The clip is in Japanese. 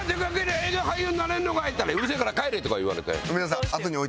映画俳優になれるのかい！」って言ったら「うるせえから帰れ」とか言われて。